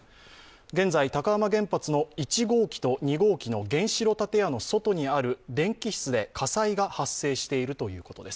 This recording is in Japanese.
現在、高浜原発の１号機と２号機の原子炉建屋の外にある電気室で火災が発生しているということです。